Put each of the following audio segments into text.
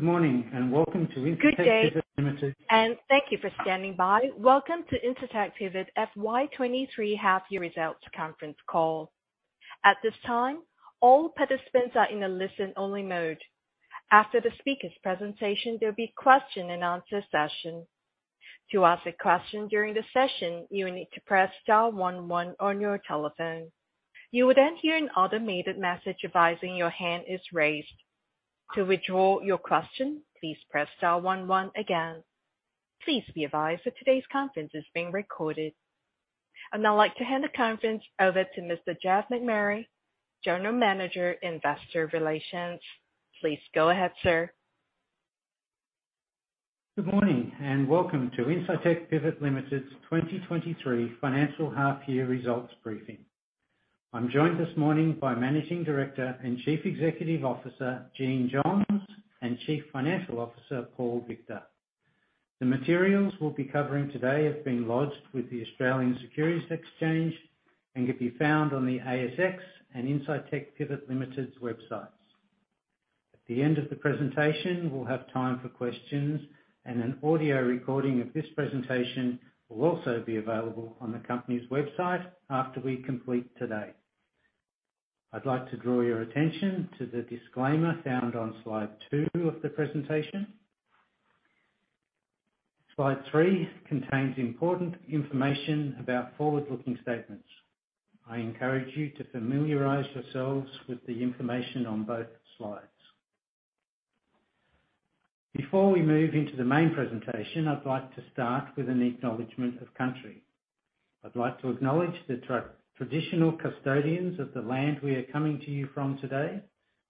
Good day. Thank you for standing by. Welcome to Incitec Pivot FY 2023 half-year results conference call. At this time, all participants are in a listen-only mode. After the speakers' presentation, there'll be question and answer session. To ask a question during the session, you will need to press star one one on your telephone. You will hear an automated message advising your hand is raised. To withdraw your question, please press star one one again. Please be advised that today's conference is being recorded. I'd like to hand the conference over to Mr. Geoff McMurray, General Manager, Investor Relations. Please go ahead, sir. Good morning, welcome to Incitec Pivot Limited's 2023 financial half-year results briefing. I'm joined this morning by Managing Director and Chief Executive Officer, Jeanne Johns, and Chief Financial Officer, Paul Victor. The materials we'll be covering today have been lodged with the Australian Securities Exchange and can be found on the ASX and Incitec Pivot Limited's websites. At the end of the presentation, we'll have time for questions, and an audio recording of this presentation will also be available on the company's website after we complete today. I'd like to draw your attention to the disclaimer found on slide two of the presentation. Slide three contains important information about forward-looking statements. I encourage you to familiarize yourselves with the information on both slides. Before we move into the main presentation, I'd like to start with an acknowledgment of country. I'd like to acknowledge the traditional custodians of the land we are coming to you from today,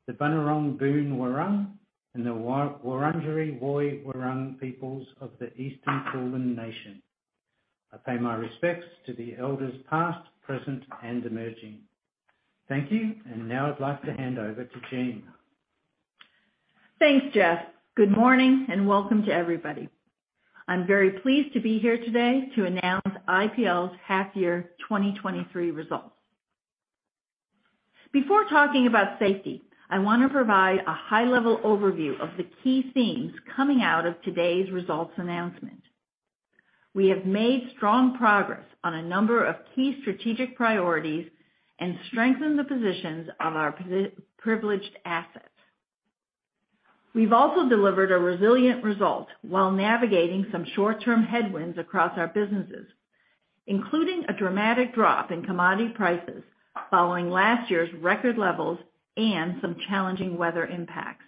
the Bunurong Boonwurrung and the Wurundjeri Woi Wurrung peoples of the Eastern Kulin Nation. I pay my respects to the elders past, present, and emerging. Thank you. Now I'd like to hand over to Jeanne. Thanks, Geoff. Good morning, welcome to everybody. I'm very pleased to be here today to announce IPL's half year 2023 results. Before talking about safety, I wanna provide a high-level overview of the key themes coming out of today's results announcement. We have made strong progress on a number of key strategic priorities and strengthened the positions of our privileged assets. We've also delivered a resilient result while navigating some short-term headwinds across our businesses, including a dramatic drop in commodity prices following last year's record levels and some challenging weather impacts.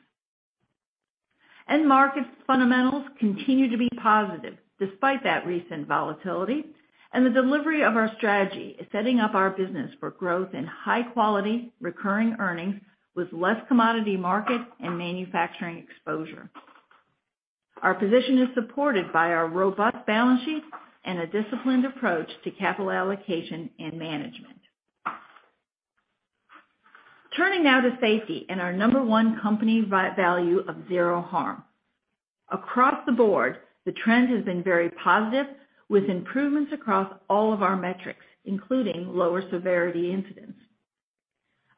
End markets fundamentals continue to be positive despite that recent volatility. The delivery of our strategy is setting up our business for growth in high quality recurring earnings with less commodity market and manufacturing exposure. Our position is supported by our robust balance sheet and a disciplined approach to capital allocation and management. Turning now to safety and our number one company value of zero harm. Across the board, the trend has been very positive with improvements across all of our metrics, including lower severity incidents.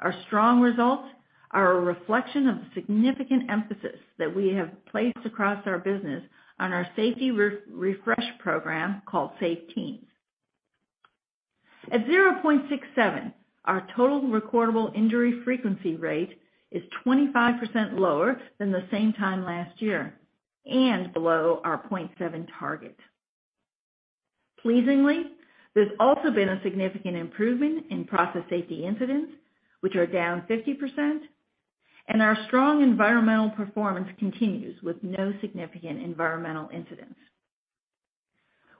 Our strong results are a reflection of the significant emphasis that we have placed across our business on our safety refresh program called Safe Teams. At 0.67, our Total Recordable Injury Frequency Rate is 25% lower than the same time last year and below our 0.7 target. Pleasingly, there's also been a significant improvement in process safety incidents, which are down 50%, and our strong environmental performance continues with no significant environmental incidents.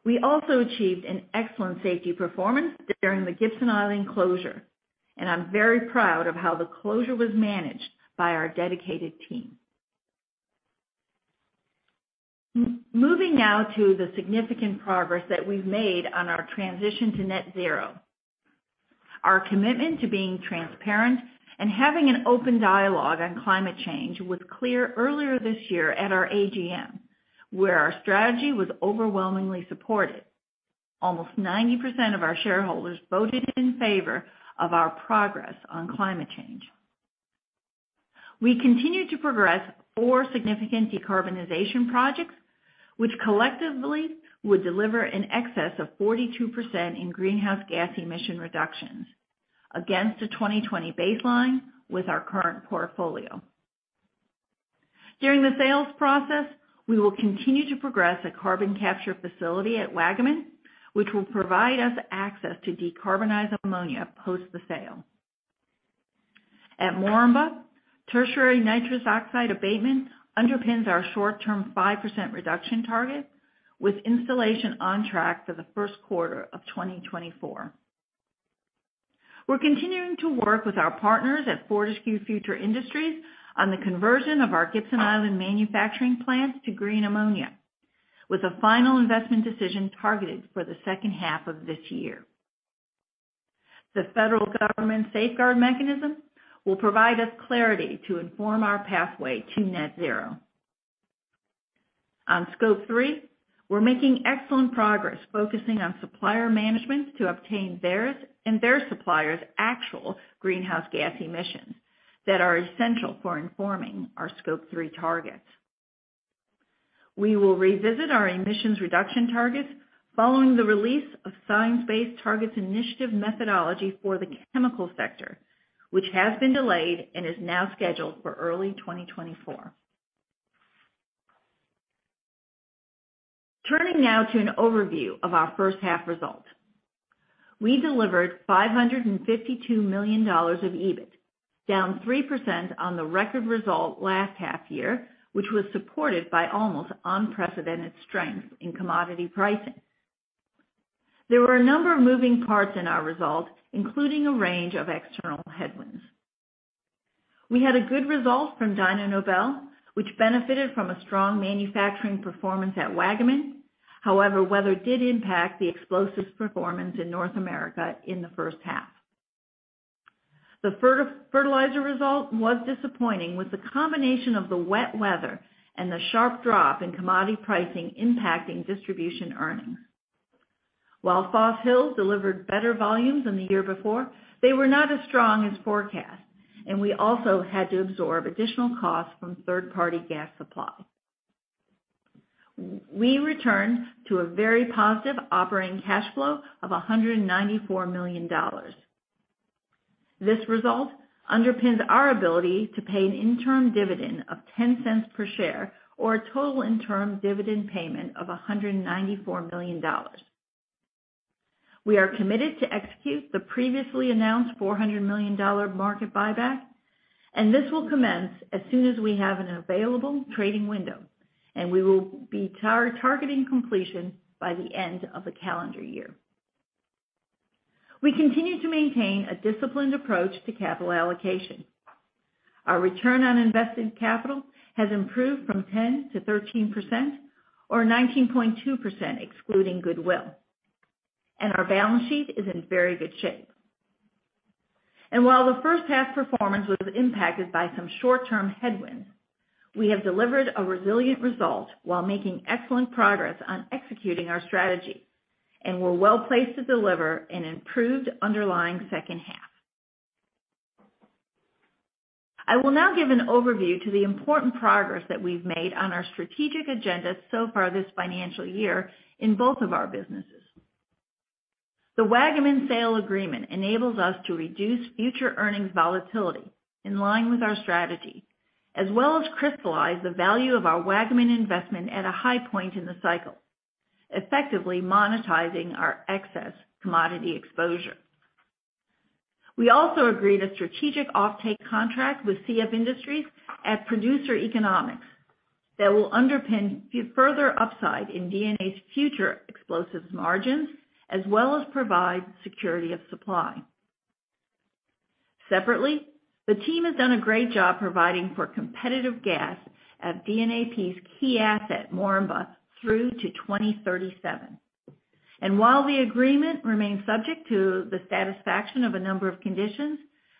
We also achieved an excellent safety performance during the Gibson Island closure, and I'm very proud of how the closure was managed by our dedicated team. Moving now to the significant progress that we've made on our transition to net zero. Our commitment to being transparent and having an open dialogue on climate change was clear earlier this year at our AGM, where our strategy was overwhelmingly supported. Almost 90% of our shareholders voted in favor of our progress on climate change. We continue to progress four significant decarbonization projects, which collectively would deliver in excess of 42% in greenhouse gas emission reductions against a 2020 baseline with our current portfolio. During the sales process, we will continue to progress a carbon capture facility at Waggaman, which will provide us access to decarbonized ammonia post the sale. At Moranbah, tertiary nitrous oxide abatement underpins our short-term 5% reduction target with installation on track for the first quarter of 2024. We're continuing to work with our partners at Fortescue Future Industries on the conversion of our Gibson Island manufacturing plants to green ammonia, with a final investment decision targeted for the second half of this year. The federal government Safeguard Mechanism will provide us clarity to inform our pathway to net zero. On Scope three, we're making excellent progress focusing on supplier management to obtain theirs and their suppliers' actual greenhouse gas emissions that are essential for informing our Scope three targets. We will revisit our emissions reduction targets following the release of Science-Based Targets Initiative methodology for the chemical sector, which has been delayed and is now scheduled for early 2024. Turning now to an overview of our first half results. We delivered 552 million dollars of EBIT, down 3% on the record result last half year, which was supported by almost unprecedented strength in commodity pricing. There were a number of moving parts in our results, including a range of external headwinds. We had a good result from Dyno Nobel, which benefited from a strong manufacturing performance at Waggaman. Weather did impact the explosives performance in North America in the first half. The fertilizer result was disappointing, with the combination of the wet weather and the sharp drop in commodity pricing impacting distribution earnings. Fort Hills delivered better volumes than the year before, they were not as strong as forecast, and we also had to absorb additional costs from third-party gas supply. We returned to a very positive operating cash flow of 194 million dollars. This result underpins our ability to pay an interim dividend of 0.10 per share, or a total interim dividend payment of 194 million dollars. We are committed to execute the previously announced 400 million dollar market buyback, this will commence as soon as we have an available trading window, and we will be targeting completion by the end of the calendar year. We continue to maintain a disciplined approach to capital allocation. Our return on invested capital has improved from 10%-13%, or 19.2%, excluding goodwill, our balance sheet is in very good shape. While the first half's performance was impacted by some short-term headwinds, we have delivered a resilient result while making excellent progress on executing our strategy, we're well-placed to deliver an improved underlying second half. I will now give an overview to the important progress that we've made on our strategic agenda so far this financial year in both of our businesses. The Waggaman sale agreement enables us to reduce future earnings volatility in line with our strategy, as well as crystallize the value of our Waggaman investment at a high point in the cycle, effectively monetizing our excess commodity exposure. We also agreed a strategic offtake contract with CF Industries at Producer Economics that will underpin further upside in DNA's future explosives margins, as well as provide security of supply. Separately, the team has done a great job providing for competitive gas at DNAP's key asset, Moranbah, through to 2037. While the agreement remains subject to the satisfaction of a number of conditions,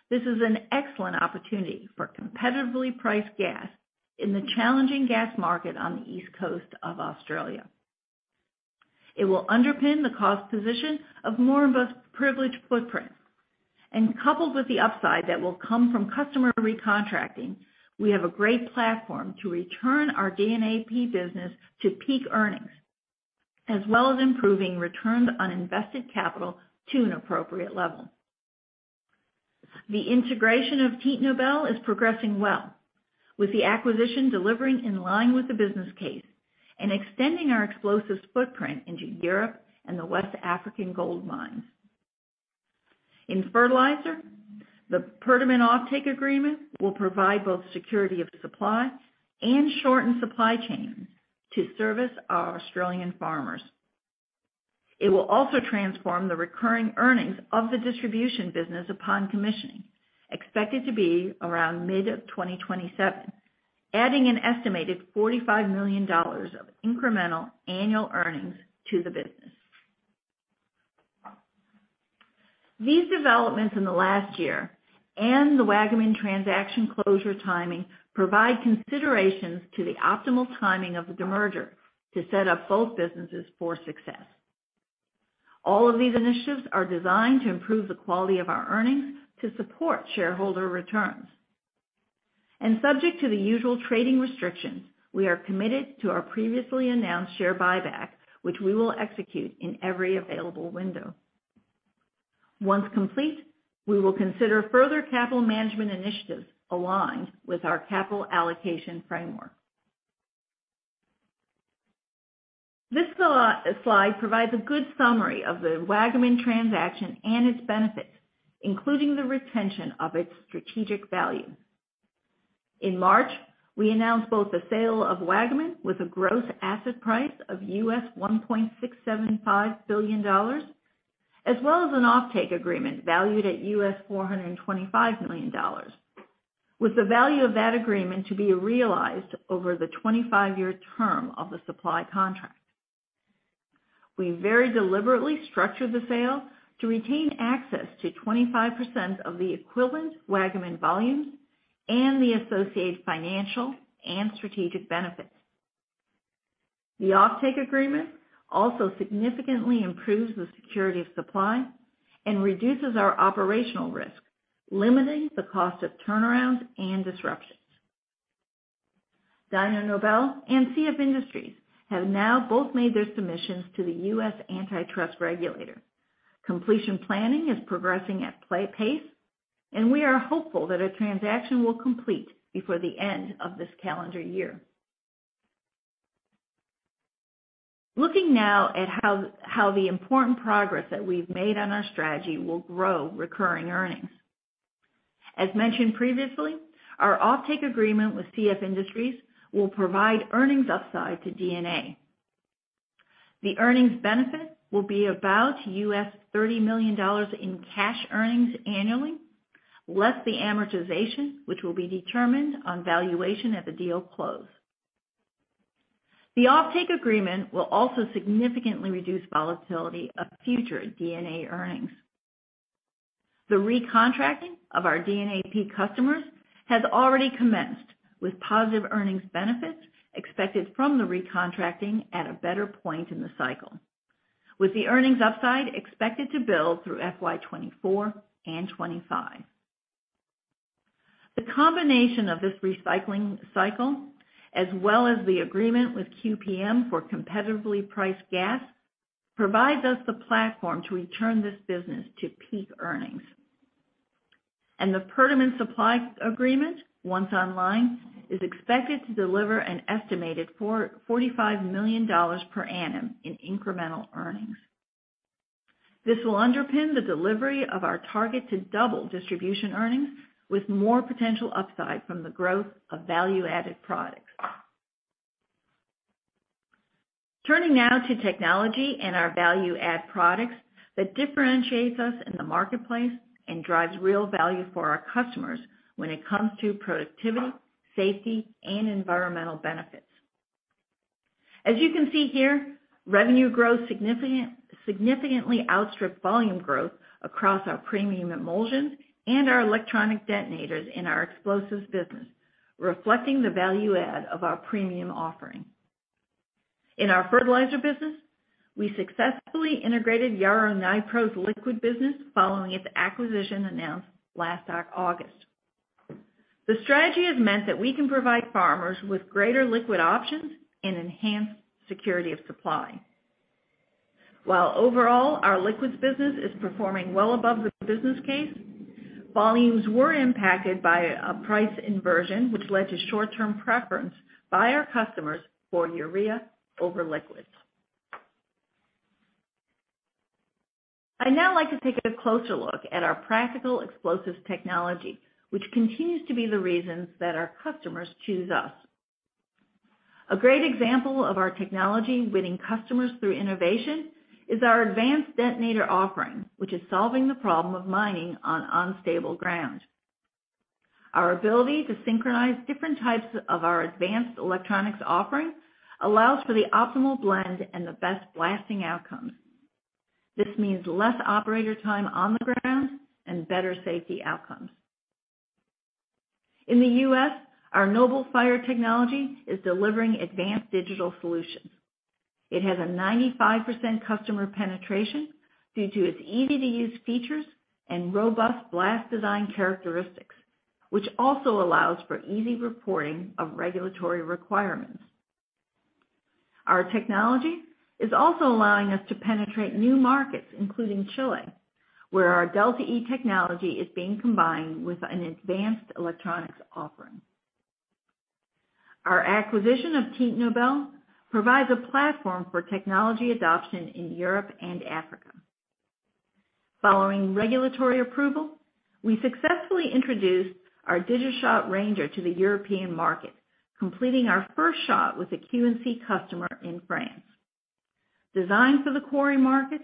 this is an excellent opportunity for competitively priced gas in the challenging gas market on the East Coast of Australia. It will underpin the cost position of Moranbah's privileged footprint. Coupled with the upside that will come from customer recontracting, we have a great platform to return our DNAP business to peak earnings, as well as improving returns on invested capital to an appropriate level. The integration of Titanobel is progressing well, with the acquisition delivering in line with the business case and extending our explosives footprint into Europe and the West African gold mines. In fertilizer, the Pertamina offtake agreement will provide both security of supply and shortened supply chain to service our Australian farmers. It will also transform the recurring earnings of the distribution business upon commissioning, expected to be around mid-2027, adding an estimated 45 million dollars of incremental annual earnings to the business. These developments in the last year and the Waggaman transaction closure timing provide considerations to the optimal timing of the demerger to set up both businesses for success. All of these initiatives are designed to improve the quality of our earnings to support shareholder returns. Subject to the usual trading restrictions, we are committed to our previously announced share buyback, which we will execute in every available window. Once complete, we will consider further capital management initiatives aligned with our capital allocation framework. This slide provides a good summary of the Waggaman transaction and its benefits, including the retention of its strategic value. In March, we announced both the sale of Waggaman with a gross asset price of 1.675 billion dollars, as well as an offtake agreement valued at 425 million dollars, with the value of that agreement to be realized over the 25-year term of the supply contract. We very deliberately structured the sale to retain access to 25% of the equivalent Waggaman volumes and the associated financial and strategic benefits. The offtake agreement also significantly improves the security of supply and reduces our operational risk, limiting the cost of turnarounds and disruptions. Dyno Nobel and CF Industries have now both made their submissions to the U.S. antitrust regulator. Completion planning is progressing at play pace, and we are hopeful that a transaction will complete before the end of this calendar year. Looking now at how the important progress that we've made on our strategy will grow recurring earnings. As mentioned previously, our offtake agreement with CF Industries will provide earnings upside to DNA. The earnings benefit will be about 30 million dollars in cash earnings annually, less the amortization, which will be determined on valuation at the deal close. The offtake agreement will also significantly reduce volatility of future DNA earnings. The recontracting of our DNAP customers has already commenced with positive earnings benefits expected from the recontracting at a better point in the cycle, with the earnings upside expected to build through FY 2024 and 2025. The combination of this recycling cycle, as well as the agreement with QPM for competitively priced gas, provides us the platform to return this business to peak earnings. The Pertamina supply agreement, once online, is expected to deliver an estimated 45 million dollars per annum in incremental earnings. This will underpin the delivery of our target to double distribution earnings with more potential upside from the growth of value-added products. Turning now to technology and our value-add products that differentiates us in the marketplace and drives real value for our customers when it comes to productivity, safety, and environmental benefits. As you can see here, revenue growth significantly outstripped volume growth across our premium emulsions and our electronic detonators in our explosives business, reflecting the value add of our premium offering. In our fertilizer business, we successfully integrated Yara Nipro's liquid business following its acquisition announced last August. The strategy has meant that we can provide farmers with greater liquid options and enhanced security of supply. While overall, our liquids business is performing well above the business case, volumes were impacted by a price inversion, which led to short-term preference by our customers for urea over liquids. I'd now like to take a closer look at our practical explosives technology, which continues to be the reasons that our customers choose us. A great example of our technology winning customers through innovation is our advanced detonator offering, which is solving the problem of mining on unstable ground. Our ability to synchronize different types of our advanced electronics offering allows for the optimal blend and the best blasting outcomes. This means less operator time on the ground and better safety outcomes. In the U.S., our NobleFire technology is delivering advanced digital solutions. It has a 95% customer penetration due to its easy-to-use features and robust blast design characteristics, which also allows for easy reporting of regulatory requirements. Our technology is also allowing us to penetrate new markets, including Chile, where our Delta E technology is being combined with an advanced electronics offering. Our acquisition of Titanobel provides a platform for technology adoption in Europe and Africa. Following regulatory approval, we successfully introduced our DigiShot Ranger to the European market, completing our first shot with a QNC customer in France. Designed for the quarry market,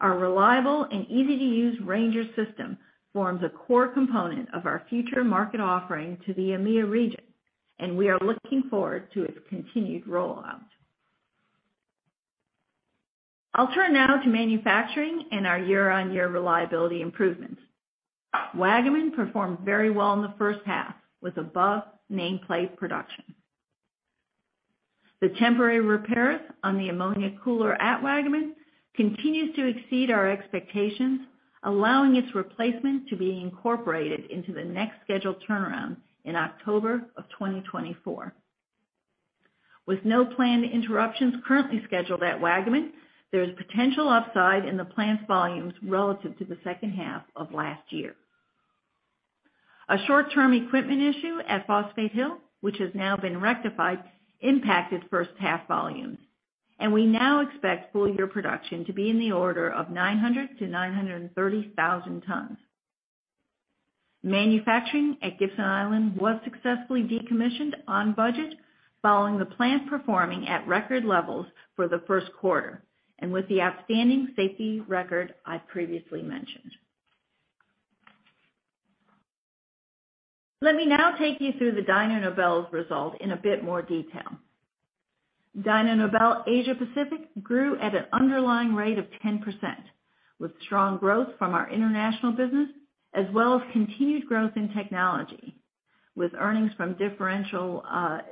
our reliable and easy-to-use Ranger system forms a core component of our future market offering to the EMEA region, and we are looking forward to its continued rollout. I'll turn now to manufacturing and our year-on-year reliability improvements. Waggaman performed very well in the first half with above nameplate production. The temporary repairs on the ammonia cooler at Waggaman continues to exceed our expectations, allowing its replacement to be incorporated into the next scheduled turnaround in October of 2024. With no planned interruptions currently scheduled at Waggaman, there is potential upside in the plant's volumes relative to the second half of last year. A short-term equipment issue at Phosphate Hill, which has now been rectified, impacted first half volumes, and we now expect full-year production to be in the order of 900,000-930,000 tons. Manufacturing at Gibson Island was successfully decommissioned on budget following the plant performing at record levels for the first quarter and with the outstanding safety record I previously mentioned. Let me now take you through the Dyno Nobel's result in a bit more detail. Dyno Nobel Asia Pacific grew at an underlying rate of 10%, with strong growth from our international business, as well as continued growth in technology, with earnings from differential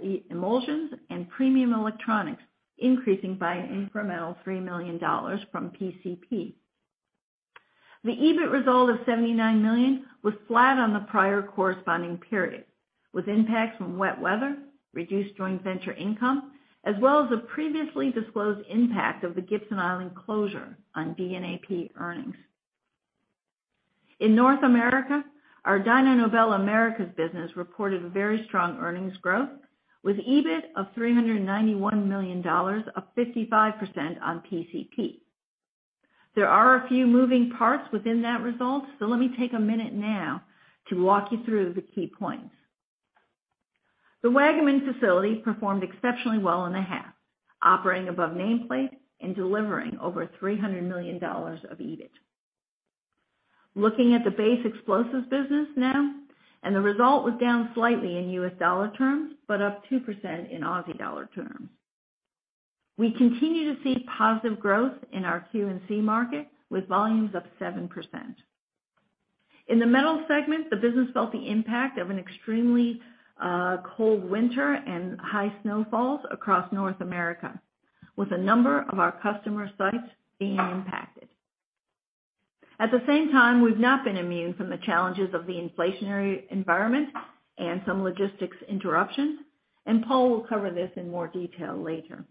e-emulsions and premium electronics increasing by an incremental 3 million dollars from PCP. The EBIT result of 79 million was flat on the prior corresponding period, with impacts from wet weather, reduced joint venture income, as well as the previously disclosed impact of the Gibson Island closure on DNAP earnings. In North America, our Dyno Nobel Americas business reported a very strong earnings growth with EBIT of 391 million dollars, up 55% on PCP. There are a few moving parts within that result. Let me take a minute now to walk you through the key points. The Waggaman facility performed exceptionally well in the half, operating above nameplate and delivering over 300 million dollars of EBIT. Looking at the base explosives business now, the result was down slightly in U.S. dollar terms, but up 2% in Aussie dollar terms. We continue to see positive growth in our QNC market, with volumes up 7%. In the metal segment, the business felt the impact of an extremely cold winter and high snowfalls across North America, with a number of our customer sites being impacted. We've not been immune from the challenges of the inflationary environment and some logistics interruptions. Paul will cover this in more detail later.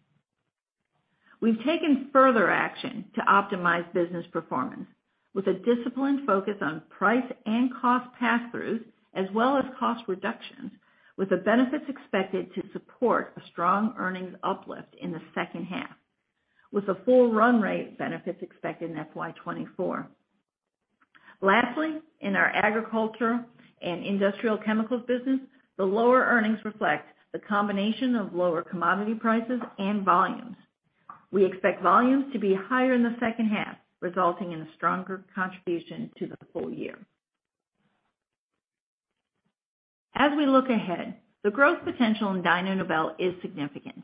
We've taken further action to optimize business performance with a disciplined focus on price and cost pass-throughs, as well as cost reductions, with the benefits expected to support a strong earnings uplift in the second half, with the full run rate benefits expected in FY 2024. In our agriculture and industrial chemicals business, the lower earnings reflect the combination of lower commodity prices and volumes. We expect volumes to be higher in the second half, resulting in a stronger contribution to the full year. As we look ahead, the growth potential in Dyno Nobel is significant.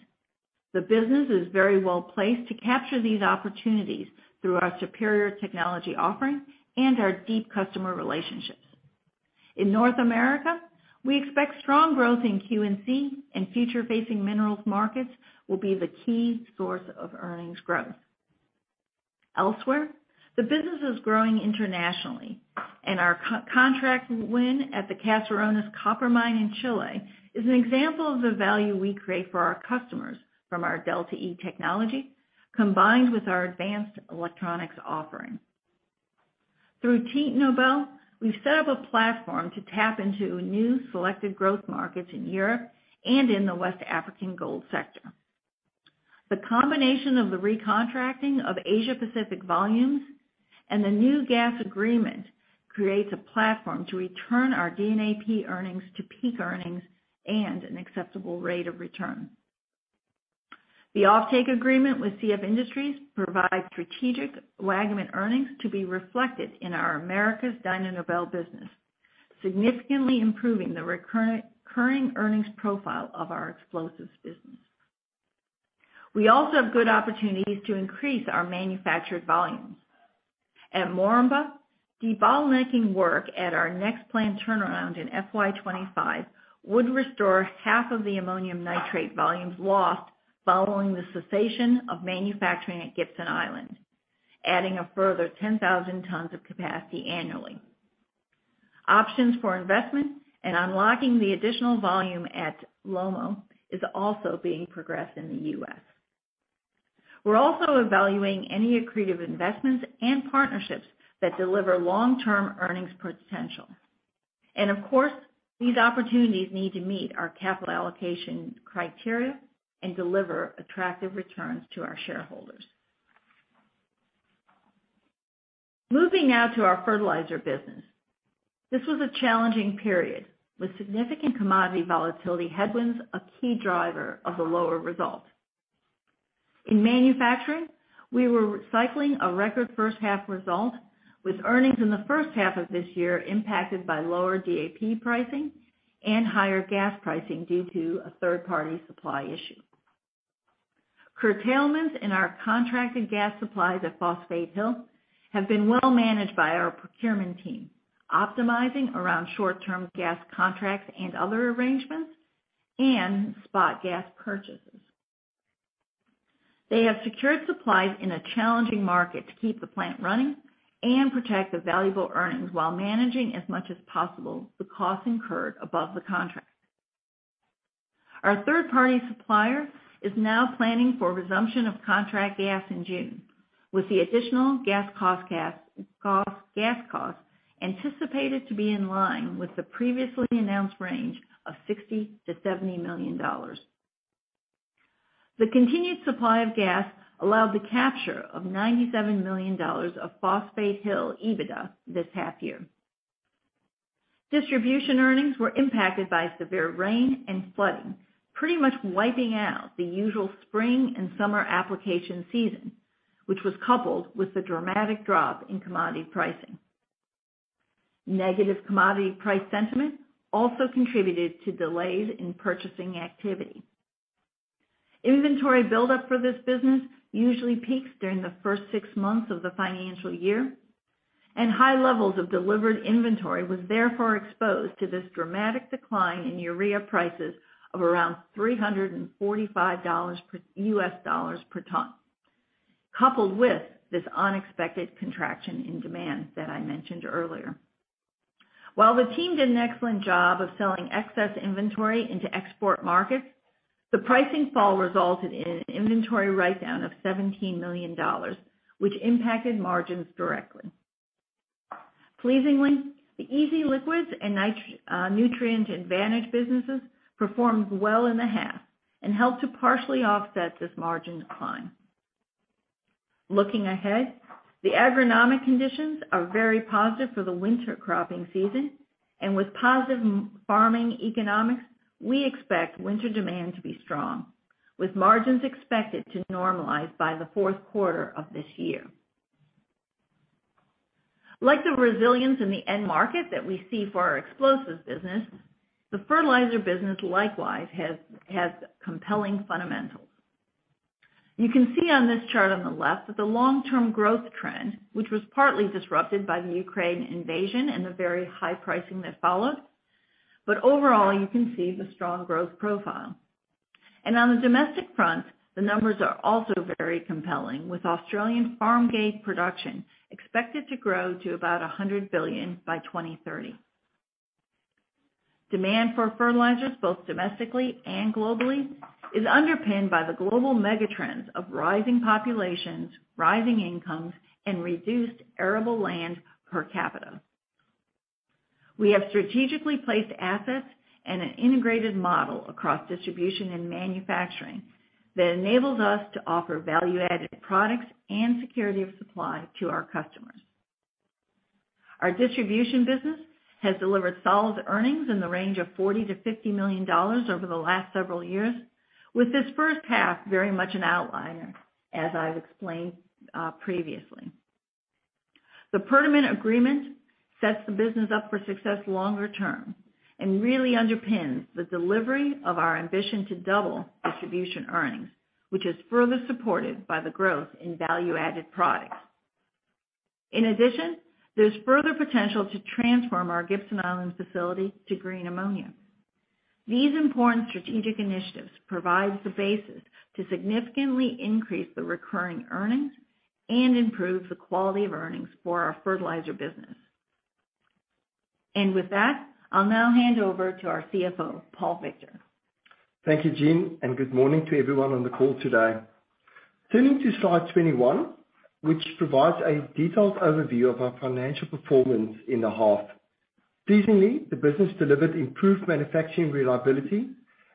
The business is very well placed to capture these opportunities through our superior technology offering and our deep customer relationships. In North America, we expect strong growth in QNC and future-facing minerals markets will be the key source of earnings growth. Elsewhere, the business is growing internationally and our co-contract win at the Caserones copper mine in Chile is an example of the value we create for our customers from our Delta E technology, combined with our advanced electronics offering. Through Titanobel, we've set up a platform to tap into new selected growth markets in Europe and in the West African gold sector. The combination of the recontracting of Asia Pacific volumes and the new gas agreement creates a platform to return our DNAP earnings to peak earnings and an acceptable rate of return. The offtake agreement with CF Industries provides strategic Waggaman earnings to be reflected in our Dyno Nobel Americas business, significantly improving the recurrent-occurring earnings profile of our explosives business. We also have good opportunities to increase our manufactured volumes. At Moranbah, debottlenecking work at our next planned turnaround in FY 2025 would restore half of the ammonium nitrate volumes lost following the cessation of manufacturing at Gibson Island, adding a further 10,000 tons of capacity annually. Options for investment and unlocking the additional volume at Lomo is also being progressed in the U.S. We're also evaluating any accretive investments and partnerships that deliver long-term earnings potential. Of course, these opportunities need to meet our capital allocation criteria and deliver attractive returns to our shareholders. Moving now to our fertilizer business. This was a challenging period, with significant commodity volatility headwinds a key driver of the lower result. In manufacturing, we were cycling a record first half result, with earnings in the first half of this year impacted by lower DAP pricing and higher gas pricing due to a third-party supply issue. Curtailments in our contracted gas supplies at Phosphate Hill have been well managed by our procurement team, optimizing around short-term gas contracts and other arrangements and spot gas purchases. They have secured supplies in a challenging market to keep the plant running and protect the valuable earnings while managing as much as possible the costs incurred above the contract. Our third-party supplier is now planning for resumption of contract gas in June, with the additional gas cost anticipated to be in line with the previously announced range of 60 million-70 million dollars. The continued supply of gas allowed the capture of 97 million dollars of Phosphate Hill EBITDA this half year. Distribution earnings were impacted by severe rain and flooding, pretty much wiping out the usual spring and summer application season. Which was coupled with the dramatic drop in commodity pricing. Negative commodity price sentiment also contributed to delays in purchasing activity. Inventory buildup for this business usually peaks during the first six months of the financial year, and high levels of delivered inventory was therefore exposed to this dramatic decline in urea prices of around 345 US dollars per ton, coupled with this unexpected contraction in demand that I mentioned earlier. While the team did an excellent job of selling excess inventory into export markets, the pricing fall resulted in an inventory write-down of 17 million dollars, which impacted margins directly. Pleasingly, the EASY Liquids and Nutrient Advantage businesses performed well in the half and helped to partially offset this margin decline. Looking ahead, the agronomic conditions are very positive for the winter cropping season, and with positive farming economics, we expect winter demand to be strong, with margins expected to normalize by the fourth quarter of this year. Like the resilience in the end market that we see for our explosives business, the fertilizer business likewise has compelling fundamentals. You can see on this chart on the left that the long-term growth trend, which was partly disrupted by the Ukraine invasion and the very high pricing that followed. Overall, you can see the strong growth profile. On the domestic front, the numbers are also very compelling, with Australian farm gate production expected to grow to about 100 billion by 2030. Demand for fertilizers, both domestically and globally, is underpinned by the global megatrends of rising populations, rising incomes, and reduced arable land per capita. We have strategically placed assets and an integrated model across distribution and manufacturing that enables us to offer value-added products and security of supply to our customers. Our distribution business has delivered solid earnings in the range of 40 million-50 million dollars over the last several years, with this first half very much an outlier, as I've explained previously. Pertamina agreement sets the business up for success longer term and really underpins the delivery of our ambition to double distribution earnings, which is further supported by the growth in value-added products. There's further potential to transform our Gibson Island facility to green ammonia. These important strategic initiatives provides the basis to significantly increase the recurring earnings and improve the quality of earnings for our fertilizer business. With that, I'll now hand over to our CFO, Paul Victor. Thank you, Jeanne. Good morning to everyone on the call today. Turning to slide 21, which provides a detailed overview of our financial performance in the half. Pleasingly, the business delivered improved manufacturing reliability,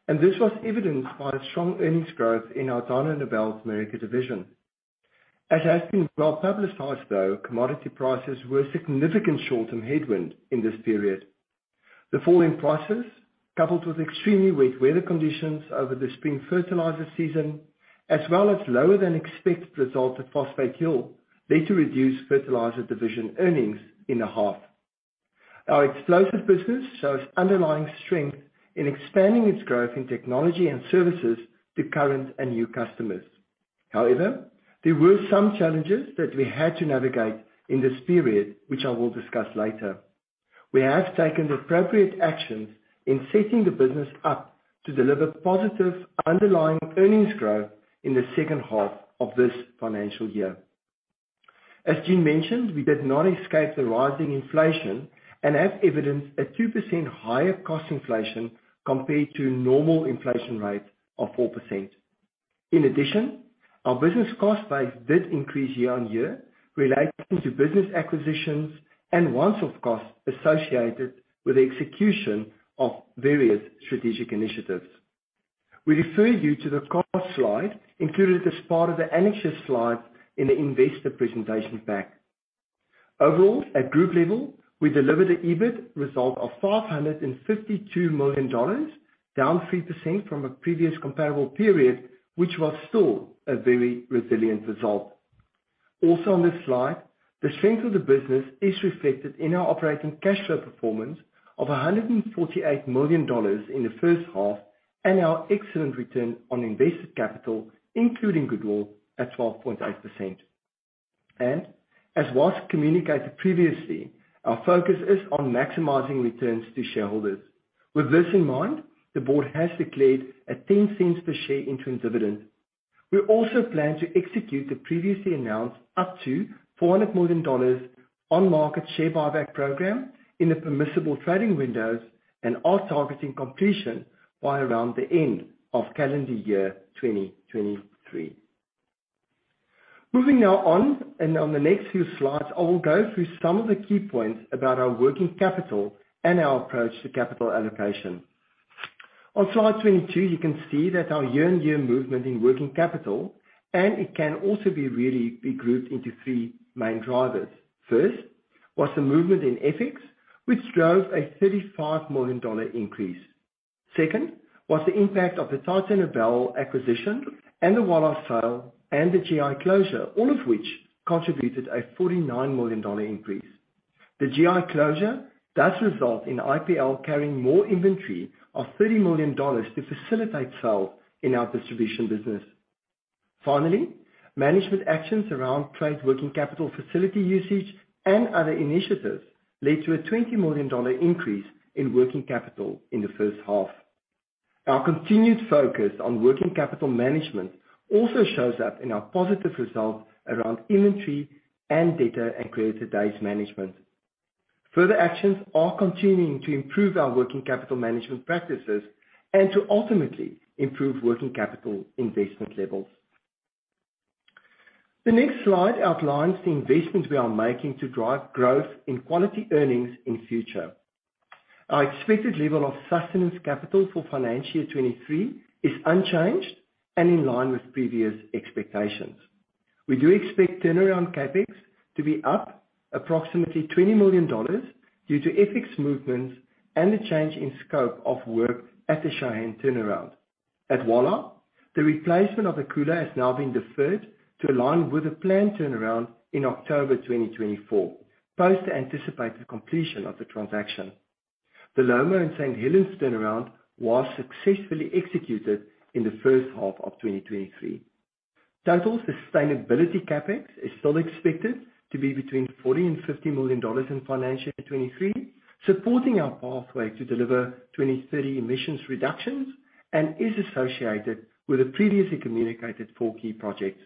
and this was evidenced by strong earnings growth in our Dyno Nobel Americas division. As has been well-publicized though, commodity prices were a significant short-term headwind in this period. The fall in prices, coupled with extremely wet weather conditions over the spring fertilizer season, as well as lower than expected results at Phosphate Hill, led to reduced fertilizer division earnings in the half. Our explosive business shows underlying strength in expanding its growth in technology and services to current and new customers. There were some challenges that we had to navigate in this period, which I will discuss later. We have taken the appropriate actions in setting the business up to deliver positive underlying earnings growth in the second half of this financial year. As Jeanne mentioned, we did not escape the rising inflation and have evidenced a 2% higher cost inflation compared to normal inflation rate of 4%. In addition, our business cost base did increase year-on-year relating to business acquisitions and once-off costs associated with the execution of various strategic initiatives. We refer you to the cost slide included as part of the annexure slide in the investor presentation pack. Overall, at group level, we delivered an EBIT result of 552 million dollars, down 3% from a previous comparable period, which was still a very resilient result. Also on this slide, the strength of the business is reflected in our operating cash flow performance of 148 million dollars in the first half, and our excellent return on invested capital, including goodwill at 12.8%. As was communicated previously, our focus is on maximizing returns to shareholders. With this in mind, the board has declared a 0.10 per share interim dividend. We also plan to execute the previously announced up to 400 million dollars on-market share buyback program in the permissible trading windows and are targeting completion by around the end of calendar year 2023. Moving now on and on the next few slides, I will go through some of the key points about our working capital and our approach to capital allocation. On slide 22, you can see that our year-on-year movement in working capital. It can also really be grouped into 3 main drivers. 1 was the movement in FX, which drove an 35 million dollar increase. 2 was the impact of the Titanobel acquisition and the WALA sale and the GI closure, all of which contributed an 49 million dollar increase. The GI closure does result in IPL carrying more inventory of 30 million dollars to facilitate sale in our distribution business. Management actions around trade working capital facility usage and other initiatives led to an 20 million dollar increase in working capital in the first half. Our continued focus on working capital management also shows up in our positive result around inventory and debtor and creditor days management. Further actions are continuing to improve our working capital management practices and to ultimately improve working capital investment levels. The next slide outlines the investments we are making to drive growth in quality earnings in future. Our expected level of sustenance capital for financial 23 is unchanged and in line with previous expectations. We do expect turnaround CapEx to be up approximately 20 million dollars due to FX movements and the change in scope of work at the Shaheen turnaround. At WALA, the replacement of the cooler has now been deferred to align with the planned turnaround in October 2024, post anticipated completion of the transaction. The Lomo and St. Helens turnaround was successfully executed in the first half of 2023. Total sustainability CapEx is still expected to be between 40 million and 50 million dollars in financial 2023, supporting our pathway to deliver 2030 emissions reductions and is associated with the previously communicated four key projects.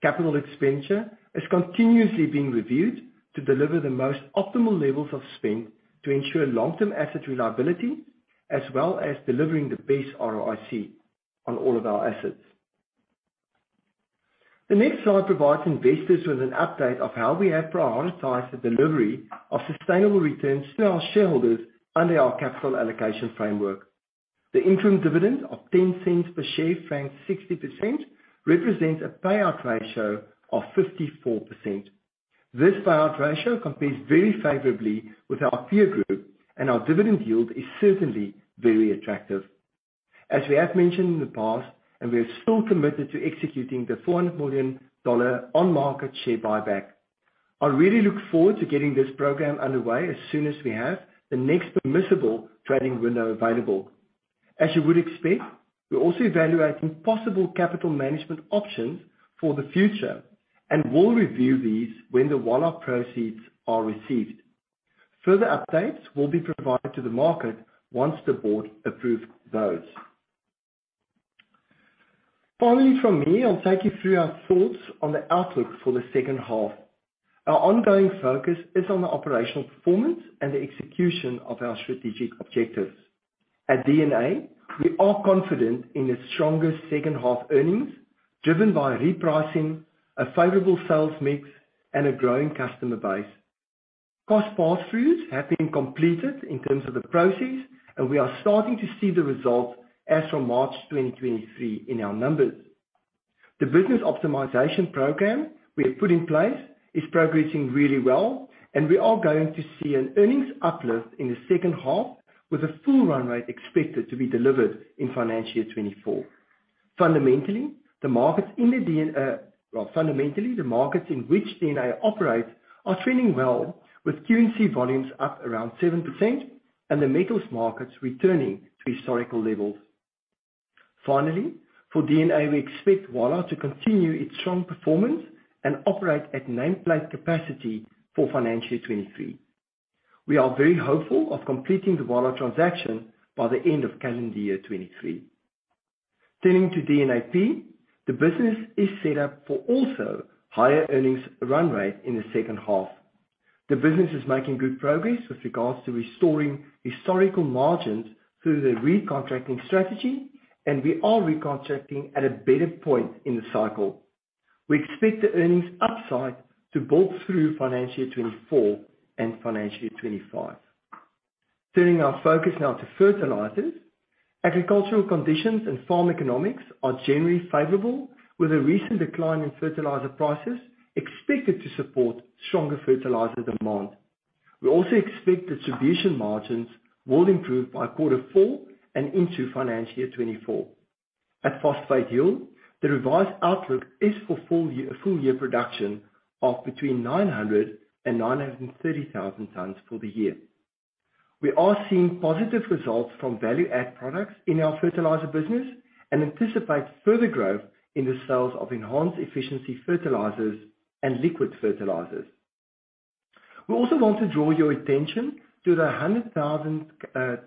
Capital expenditure is continuously being reviewed to deliver the most optimal levels of spend to ensure long-term asset reliability as well as delivering the best ROIC on all of our assets. The next slide provides investors with an update of how we have prioritized the delivery of sustainable returns to our shareholders under our capital allocation framework. The interim dividend of 0.10 per share franked 60% represents a payout ratio of 54%. This payout ratio compares very favorably with our peer group, our dividend yield is certainly very attractive. As we have mentioned in the past, we are still committed to executing the 400 million dollar on-market share buyback. I really look forward to getting this program underway as soon as we have the next permissible trading window available. As you would expect, we're also evaluating possible capital management options for the future and will review these when the WALA proceeds are received. Further updates will be provided to the market once the board approves those. Finally from me, I'll take you through our thoughts on the outlook for the second half. Our ongoing focus is on the operational performance and the execution of our strategic objectives. At DNAP, we are confident in the stronger second-half earnings, driven by repricing a favorable sales mix and a growing customer base. Cost passthroughs have been completed in terms of the process, and we are starting to see the results as from March 2023 in our numbers. The business optimization program we have put in place is progressing really well, and we are going to see an earnings uplift in the second half with a full run rate expected to be delivered in financial 2024. Fundamentally, the markets in which DNA operate are trending well, with QNC volumes up around 7% and the metals markets returning to historical levels. Finally, for DNA, we expect Wala to continue its strong performance and operate at nameplate capacity for financial 2023. We are very hopeful of completing the Wala transaction by the end of calendar year 2023. Turning to DNAP, the business is set up for also higher earnings run rate in the second half. The business is making good progress with regards to restoring historical margins through the recontracting strategy. We are recontracting at a better point in the cycle. We expect the earnings upside to bolt through financial 2024 and financial 2025. Turning our focus now to fertilizers. Agricultural conditions and farm economics are generally favorable, with a recent decline in fertilizer prices expected to support stronger fertilizer demand. We also expect distribution margins will improve by quarter four and into financial 2024. At Phosphate Hill, the revised outlook is for full year production of between 900,000 and 930,000 tons for the year. We are seeing positive results from value-add products in our fertilizer business and anticipate further growth in the sales of enhanced efficiency fertilizers and liquid fertilizers. We also want to draw your attention to the 100,000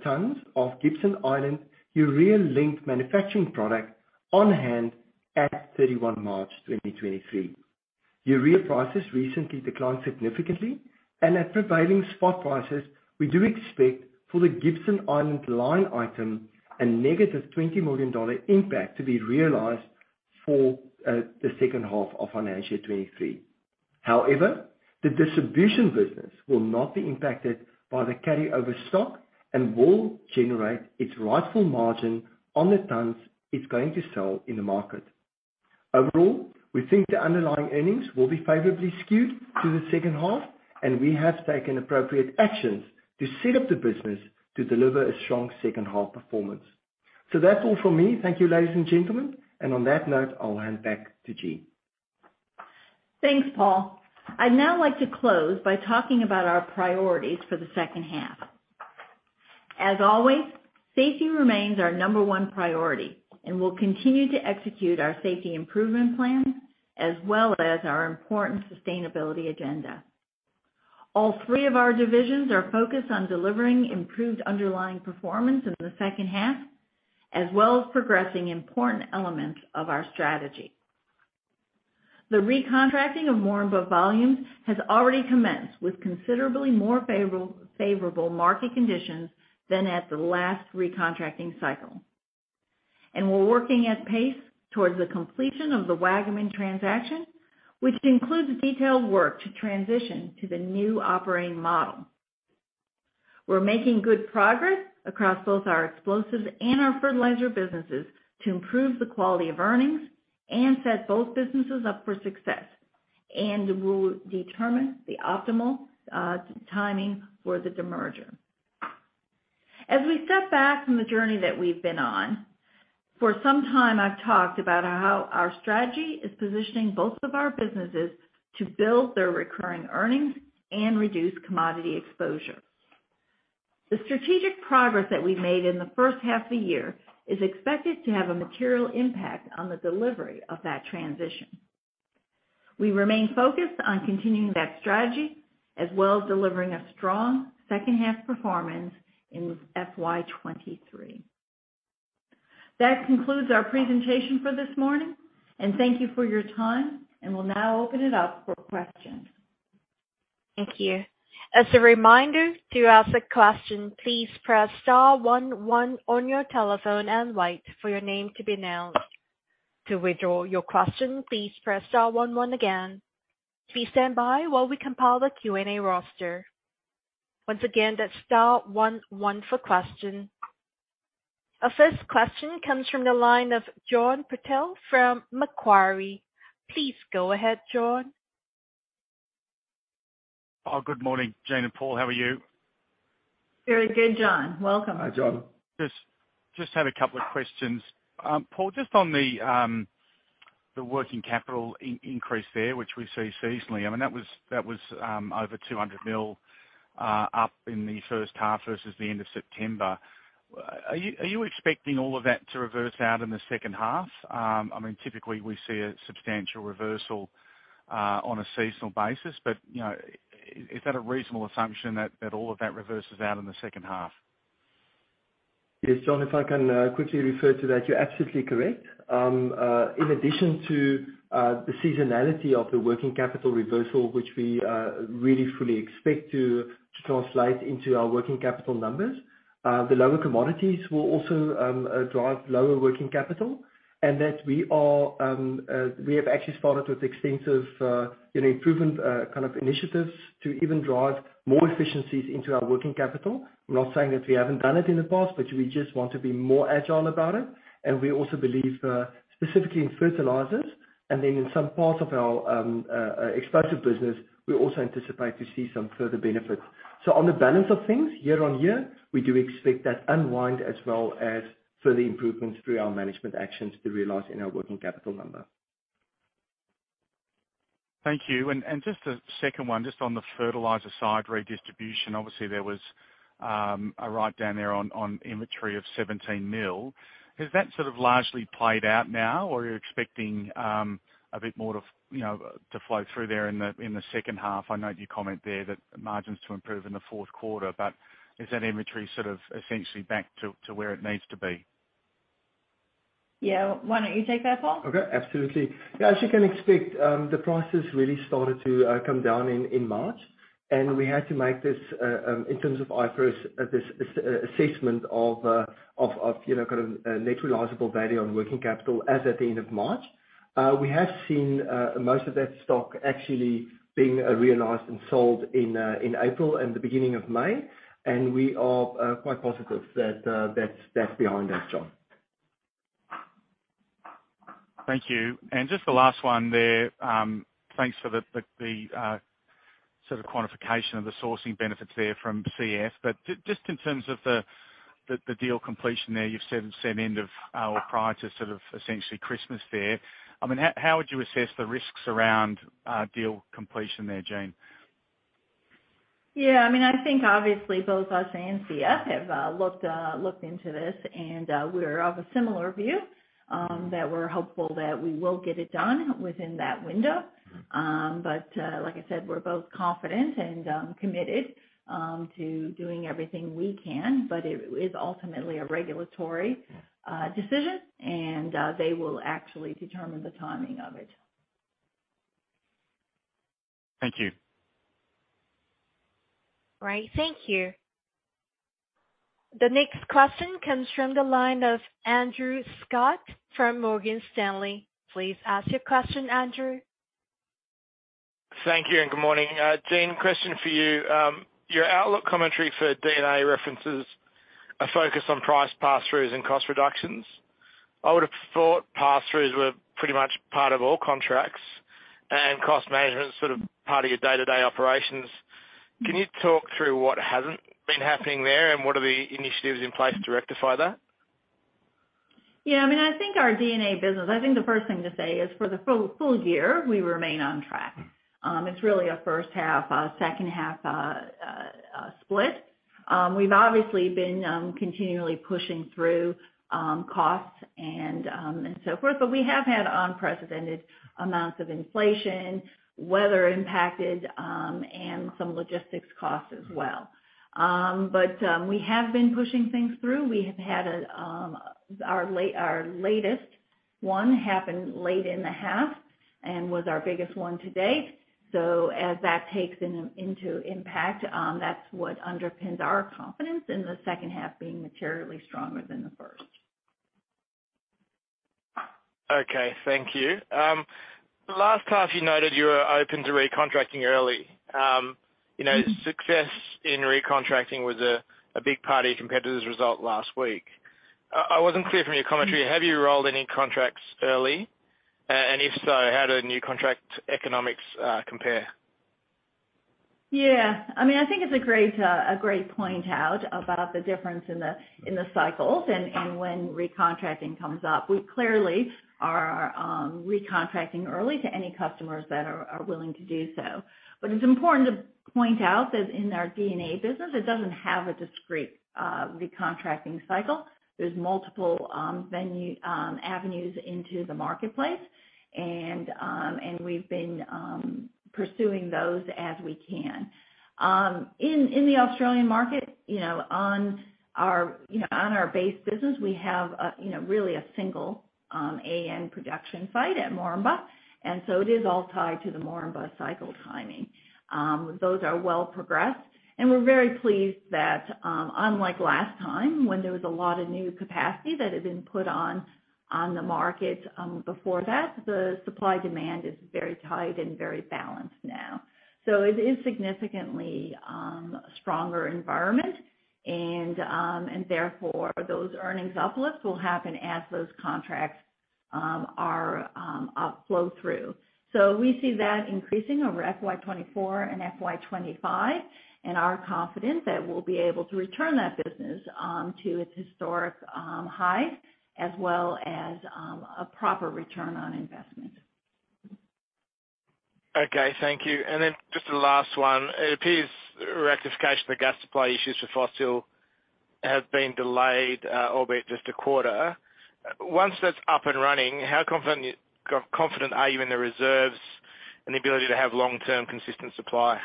tons of Gibson Island urea-linked manufacturing product on hand at 31 March 2023. Urea prices recently declined significantly. At prevailing spot prices, we do expect for the Gibson Island line item a negative 20 million dollar impact to be realized for the second half of financial 23. However, the distribution business will not be impacted by the carryover stock and will generate its rightful margin on the tons it's going to sell in the market. Overall, we think the underlying earnings will be favorably skewed to the second half. We have taken appropriate actions to set up the business to deliver a strong second half performance. That's all from me. Thank you, ladies and gentlemen. On that note, I'll hand back to Jeanne. Thanks, Paul. I'd now like to close by talking about our priorities for the second half. As always, safety remains our number one priority, and we'll continue to execute our safety improvement plan as well as our important sustainability agenda. All three of our divisions are focused on delivering improved underlying performance in the second half, as well as progressing important elements of our strategy. The recontracting of Wambo volumes has already commenced with considerably more favorable market conditions than at the last recontracting cycle. We're working at pace towards the completion of the Waggaman transaction, which includes detailed work to transition to the new operating model. We're making good progress across both our explosives and our fertilizer businesses to improve the quality of earnings and set both businesses up for success. We'll determine the optimal timing for the demerger. As we step back from the journey that we've been on, for some time, I've talked about how our strategy is positioning both of our businesses to build their recurring earnings and reduce commodity exposure. The strategic progress that we've made in the first half of the year is expected to have a material impact on the delivery of that transition. We remain focused on continuing that strategy, as well as delivering a strong second half performance in FY 2023. That concludes our presentation for this morning, and thank you for your time, and we'll now open it up for questions. Thank you. As a reminder, to ask a question, please press star one one on your telephone and wait for your name to be announced. To withdraw your question, please press star one one again. Please stand by while we compile the Q&A roster. Once again, that's star one one for question. Our first question comes from the line of John Purtell from Macquarie. Please go ahead, John. Oh, good morning, Jeanne and Paul. How are you? Very good, John. Welcome. Hi, John. Just have a couple of questions. Paul, just on the working capital increase there, which we see seasonally, I mean, that was 200 million up in the first half versus the end of September. Are you expecting all of that to reverse out in the second half? I mean, typically we see a substantial reversal on a seasonal basis, but, you know, is that a reasonable assumption that all of that reverses out in the second half? Yes, John, if I can quickly refer to that, you're absolutely correct. In addition to the seasonality of the working capital reversal, which we really fully expect to translate into our working capital numbers, the lower commodities will also drive lower working capital. That we are, we have actually started with extensive, you know, improvement kind of initiatives to even drive more efficiencies into our working capital. I'm not saying that we haven't done it in the past, but we just want to be more agile about it. We also believe, specifically in fertilizers and then in some parts of our explosive business, we also anticipate to see some further benefits. On the balance of things year-on-year, we do expect that unwind as well as further improvements through our management actions to realize in our working capital number. Thank you. Just a second one, just on the fertilizer side redistribution. Obviously, there was a write down there on inventory of 17 million. Has that sort of largely played out now or are you expecting a bit more to, you know, to flow through there in the second half? I note your comment there that margins to improve in the fourth quarter, is that inventory sort of essentially back to where it needs to be? Yeah. Why don't you take that, Paul? Okay. Absolutely. As you can expect, the prices really started to come down in March, and we had to make this in terms of IFRS, this assessment of, you know, kind of net realizable value on working capital as at the end of March. We have seen most of that stock actually being realized and sold in April and the beginning of May, and we are quite positive that that's behind us, John. Thank you. Just the last one there, thanks for the quantification of the sourcing benefits there from CF. Just in terms of the deal completion there, you've said end of or prior to sort of essentially Christmas there. I mean, how would you assess the risks around deal completion there, Jeanne? I mean, I think obviously both us and CF have looked into this, and we're of a similar view that we're hopeful that we will get it done within that window. Like I said, we're both confident and committed to doing everything we can, but it is ultimately a regulatory. Yeah. Decision, and, they will actually determine the timing of it. Thank you. All right. Thank you. The next question comes from the line of Andrew Scott from Morgan Stanley. Please ask your question, Andrew. Thank you and good morning. Jeanne, question for you. Your outlook commentary for DNAP references a focus on price pass-throughs and cost reductions. I would have thought pass-throughs were pretty much part of all contracts and cost management is sort of part of your day-to-day operations. Can you talk through what hasn't been happening there and what are the initiatives in place to rectify that? Yeah, I mean, I think our DNA business, I think the first thing to say is for the full year, we remain on track. It's really a first half, a second half split. We've obviously been continually pushing through costs and so forth. We have had unprecedented amounts of inflation, weather impacted, and some logistics costs as well. We have been pushing things through. We have had our latest one happened late in the half and was our biggest one to date. As that takes in, into impact, that's what underpins our confidence in the second half being materially stronger than the first. Okay, thank you. Last half you noted you were open to recontracting early. You know, success in recontracting was a big part of your competitor's result last week. I wasn't clear from your commentary. Have you rolled any contracts early? If so, how do new contract economics compare? Yeah, I mean, I think it's a great a great point out about the difference in the, in the cycles and when recontracting comes up. We clearly are recontracting early to any customers that are willing to do so. It's important to point out that in our DNA business, it doesn't have a discrete recontracting cycle. There's multiple venue avenues into the marketplace. We've been pursuing those as we can. In, in the Australian market, you know, on our, you know, on our base business, we have, you know, really a single AN production site at Moranbah. It is all tied to the Moranbah cycle timing. Those are well progressed, we're very pleased that, unlike last time when there was a lot of new capacity that had been put on the market, before that, the supply-demand is very tight and very balanced now. It is significantly stronger environment and therefore, those earnings uplift will happen as those contracts are flow through. We see that increasing over FY 2024 and FY 2025, and are confident that we'll be able to return that business to its historic high as well as a proper return on investment. Okay, thank you. Just the last one. It appears rectification of the gas supply issues for Fossil have been delayed, albeit just a quarter. Once that's up and running, how confident are you in the reserves and the ability to have long-term consistent supply?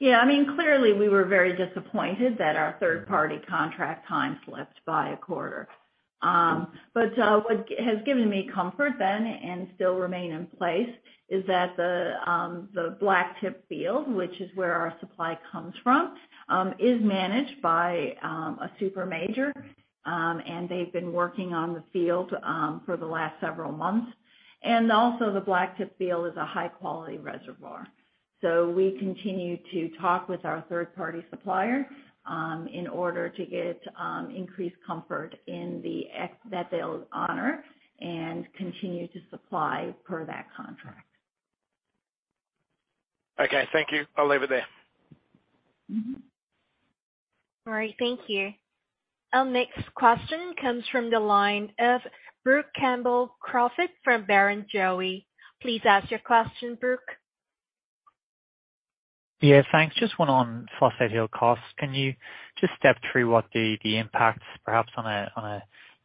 Yeah, I mean, clearly we were very disappointed that our third-party contract time slipped by a quarter. What has given me comfort then and still remain in place is that the Blacktip Field, which is where our supply comes from, is managed by a super major, and they've been working on the field for the last several months. Also, the Blacktip Field is a high-quality reservoir. We continue to talk with our third-party supplier in order to get increased comfort in that they'll honor and continue to supply per that contract. Okay, thank you. I'll leave it there. Mm-hmm. All right, thank you. Our next question comes from the line of Brook Campbell-Crawford from Barrenjoey. Please ask your question, Brooke. Yeah, thanks. Just one on Phosphate Hill costs. Can you just step through what the impacts perhaps on a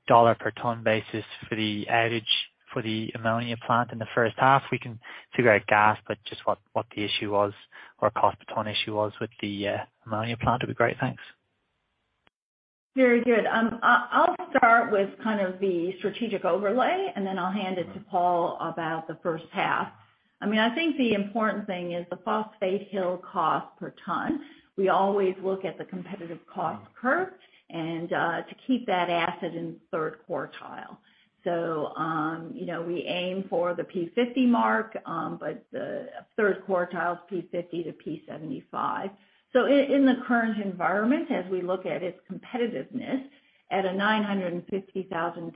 dollar per ton basis for the outage for the ammonia plant in the first half? We can figure out gas, but just what the issue was or per ton issue was with the ammonia plant would be great. Thanks. Very good. I'll start with kind of the strategic overlay, and then I'll hand it to Paul about the first half. I mean, I think the important thing is the Phosphate Hill cost per ton. We always look at the competitive cost curve and to keep that asset in third quartile. You know, we aim for the P50 mark, the third quartile is P50 to P75. In the current environment, as we look at its competitiveness at a 950,000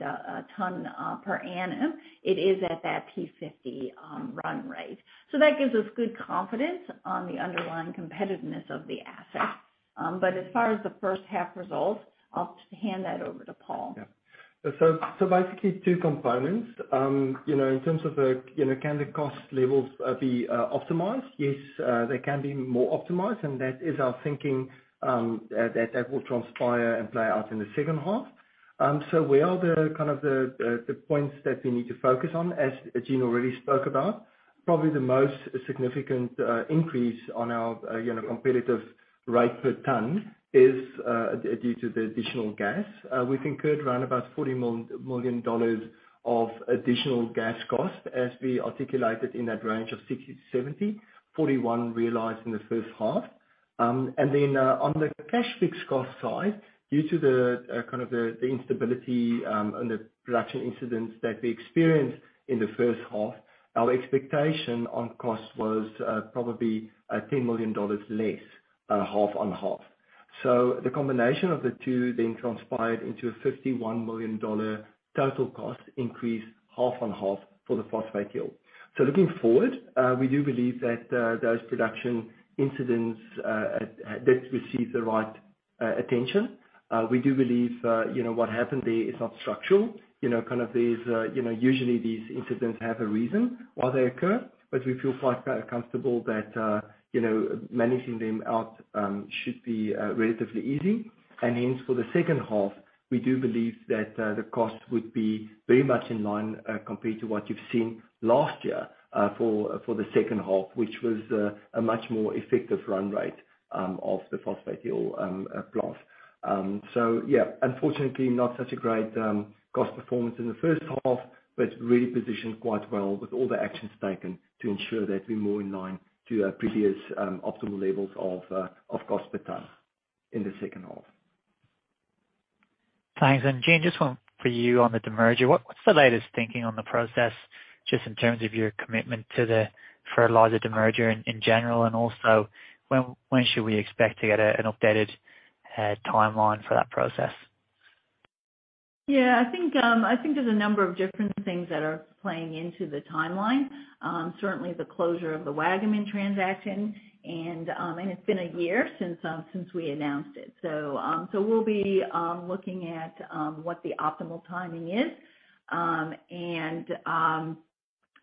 ton per annum, it is at that P50 run rate. That gives us good confidence on the underlying competitiveness of the asset. As far as the first half results, I'll hand that over to Paul. Basically two components. You know, in terms of the, you know, can the cost levels be optimized? Yes, they can be more optimized, and that is our thinking that that will transpire and play out in the second half. Where are the kind of the points that we need to focus on, as Jeanne already spoke about? Probably the most significant increase on our, you know, competitive rate per ton is due to the additional gas. We've incurred around about 40 million dollars of additional gas costs, as we articulated in that range of 60-70, 41 realized in the first half. On the cash fixed cost side, due to the kind of the instability and the production incidents that we experienced in the first half, our expectation on cost was probably 10 million dollars less half on half. The combination of the two transpired into a 51 million dollar total cost increase half on half for the phosphate yield. Looking forward, we do believe that those production incidents did receive the right attention. We do believe, you know, what happened there is not structural. You know, kind of these, you know, usually these incidents have a reason why they occur, but we feel quite comfortable that, you know, managing them out should be relatively easy. Hence for the second half, we do believe that the cost would be very much in line compared to what you've seen last year for the second half, which was a much more effective run rate of the phosphate yield plus. Yeah, unfortunately, not such a great cost performance in the first half, but really positioned quite well with all the actions taken to ensure that we're more in line to our previous optimal levels of cost per ton in the second half. Thanks. Jeanne, just one for you on the demerger, what's the latest thinking on the process, just in terms of your commitment to the fertilizer demerger in general, and also when should we expect to get an updated timeline for that process? I think there's a number of different things that are playing into the timeline. Certainly the closure of the Waggaman transaction and it's been a year since we announced it. We'll be looking at what the optimal timing is.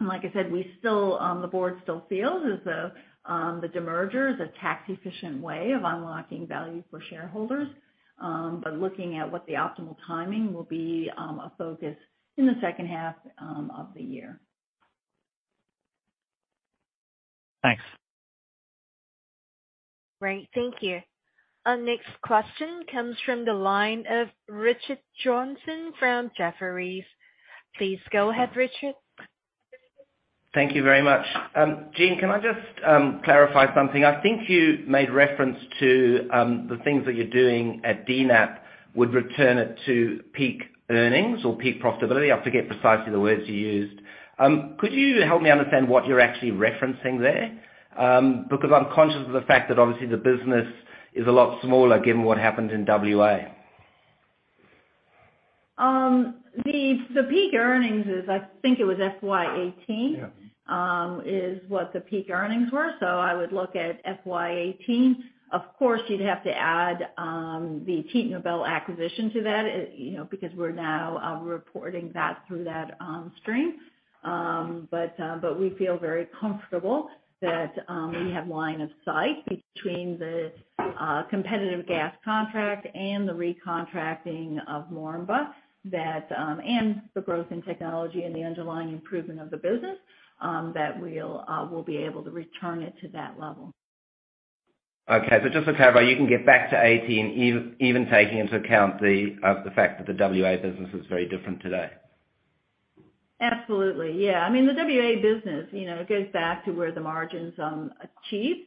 Like I said, we still the board still feels as though the demerger is a tax-efficient way of unlocking value for shareholders. Looking at what the optimal timing will be, a focus in the second half of the year. Thanks. Great. Thank you. Our next question comes from the line of Richard Johnson from Jefferies. Please go ahead, Richard. Thank you very much. Jeanne, can I just clarify something? I think you made reference to the things that you're doing at DNAP would return it to peak earnings or peak profitability. I forget precisely the words you used. Could you help me understand what you're actually referencing there? Because I'm conscious of the fact that obviously the business is a lot smaller given what happened in WA. The peak earnings is, I think it was FY 2018- Yeah. Is what the peak earnings were. I would look at FY 2018. Of course, you'd have to add, the Titanobel acquisition to that, you know, because we're now reporting that through that stream. We feel very comfortable that we have line of sight between the competitive gas contract and the recontracting of Moranbah, that and the growth in technology and the underlying improvement of the business, that we'll be able to return it to that level. Just to clarify, you can get back to 2018, even taking into account the fact that the WA business is very different today. Absolutely. Yeah. I mean, the WA business, you know, it goes back to where the margins achieve.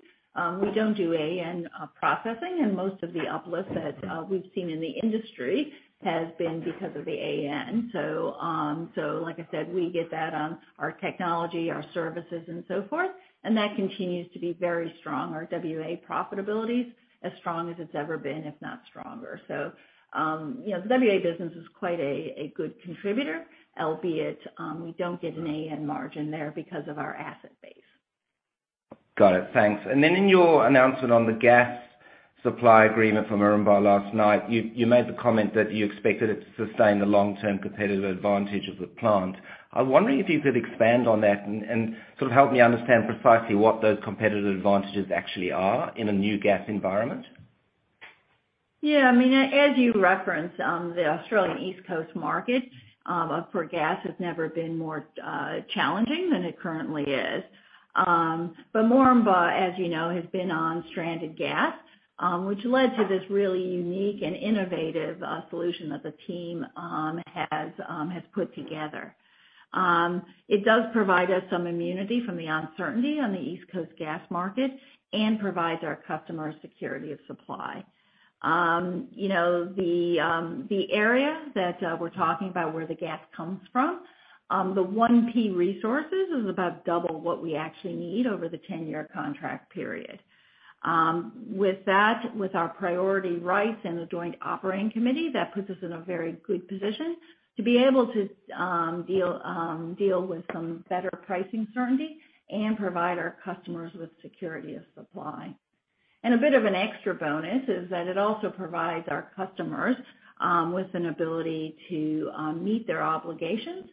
We don't do AN processing, and most of the uplifts that we've seen in the industry has been because of the AN. Like I said, we get that on our technology, our services and so forth, and that continues to be very strong. Our WA profitability is as strong as it's ever been, if not stronger. You know, the WA business is quite a good contributor, albeit, we don't get an AN margin there because of our asset base. Got it. Thanks. Then in your announcement on the gas supply agreement from Moranbah last night, you made the comment that you expected it to sustain the long-term competitive advantage of the plant. I'm wondering if you could expand on that and sort of help me understand precisely what those competitive advantages actually are in a new gas environment? Yeah, I mean, as you referenced, the Australian East Coast market for gas has never been more challenging than it currently is. Moranbah, as you know, has been on stranded gas, which led to this really unique and innovative solution that the team has put together. It does provide us some immunity from the uncertainty on the East Coast gas market and provides our customers security of supply. You know, the area that we're talking about where the gas comes from, the 1P resources is about double what we actually need over the 10-year contract period. With that, with our priority rights and the joint operating committee, that puts us in a very good position to be able to deal with some better pricing certainty and provide our customers with security of supply. A bit of an extra bonus is that it also provides our customers with an ability to meet their obligations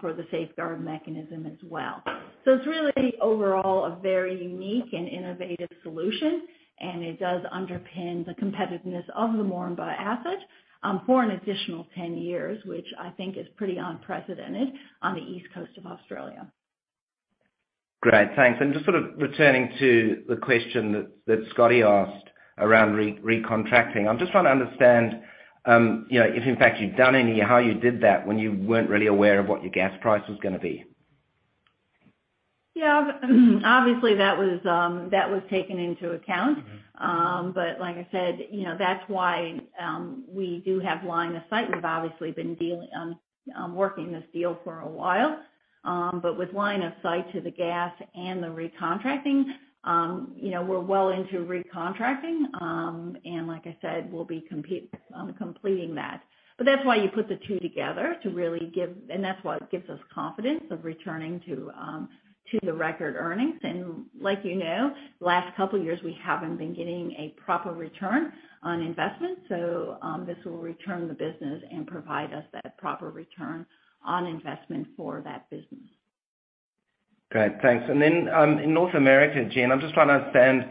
for the Safeguard Mechanism as well. It's really overall a very unique and innovative solution, and it does underpin the competitiveness of the Moranbah asset for an additional 10 years, which I think is pretty unprecedented on the east coast of Australia. Great. Thanks. Just sort of returning to the question that Scotty asked around recontracting. I'm just trying to understand, you know, if in fact you've done any, how you did that when you weren't really aware of what your gas price was gonna be? Yeah. Obviously that was, that was taken into account. Mm-hmm. Like I said, you know, that's why we do have line of sight. We've obviously been working this deal for a while. With line of sight to the gas and the recontracting, you know, we're well into recontracting. Like I said, we'll be completing that. That's why you put the two together to really give. That's what gives us confidence of returning to the record earnings. Like you know, last couple years we haven't been getting a proper return on investment. This will return the business and provide us that proper return on investment for that business. Great. Thanks. In North America, Jeanne, I'm just trying to understand,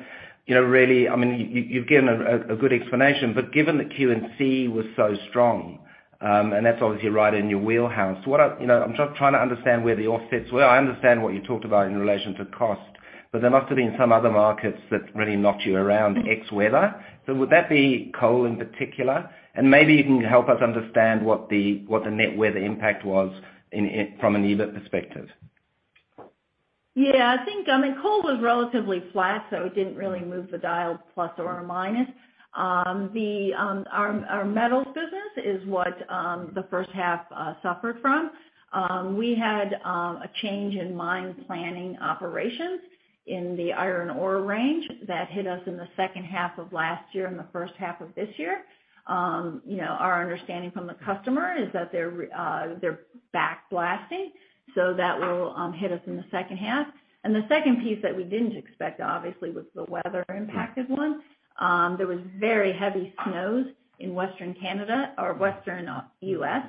you know, really, I mean, you've given a good explanation, but given that QNC was so strong, and that's obviously right in your wheelhouse. You know, I'm just trying to understand where the offsets were. I understand what you talked about in relation to cost, but there must have been some other markets that really knocked you around ex weather. Would that be coal in particular? Maybe you can help us understand what the net weather impact was from an EBIT perspective. Yeah, I think, I mean, coal was relatively flat, so it didn't really move the dial plus or minus. Our metals business is what the first half suffered from. We had a change in mine planning operations in the iron ore range that hit us in the second half of last year and the first half of this year. You know, our understanding from the customer is that they're back blasting, so that will hit us in the second half. The second piece that we didn't expect, obviously, was the weather impacted one. There was very heavy snows in Western Canada or Western U.S.